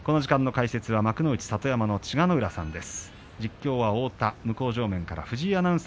解説は、幕内里山の千賀ノ浦さんです。